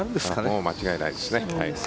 もう間違いないですね。